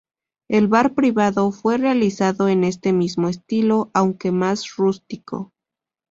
El Bar Privado fue realizado en este mismo estilo, aunque más rústico.